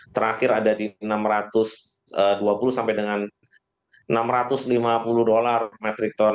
terakhir ada di enam ratus dua puluh sampai dengan enam ratus lima puluh dolar per ton